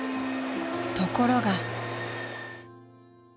［ところが］